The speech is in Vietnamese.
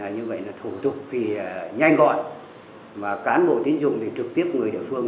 như vậy là thủ tục thì nhanh gọn mà cán bộ tín dụng thì trực tiếp người địa phương